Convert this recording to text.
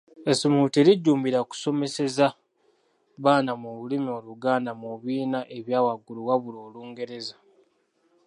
Essomero terijjumbira kusomeseza baana mu lulimi Oluganda mu bibiina ebya waggulu wabula Olungereza.